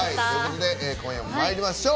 今夜もまいりましょう。